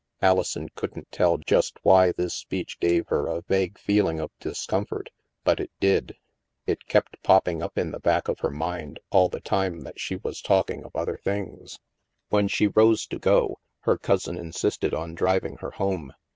Alison couldn't tell just why this speech gave her a vague feeling of discomfort, but it did. It kept popping up in the back of her mind all the time that she was talking of other things. THE MAELSTROM 259 When she rose to go, her cousin insisted on driv ing her home.